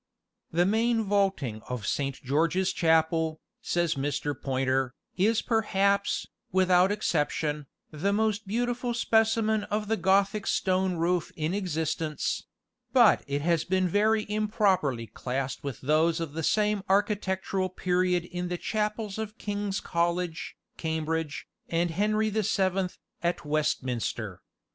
"The main vaulting of St. George's Chapel," says Mr. Poynter, "is perhaps, without exception, the most beautiful specimen of the Gothic stone roof in existence; but it has been very improperly classed with those of the same architectural period in the chapels of King's College, Cambridge, and Henry the Seventh, at Westminster.